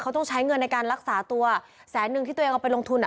เขาต้องใช้เงินในการรักษาตัวแสนนึงที่ตัวเองเอาไปลงทุนอ่ะ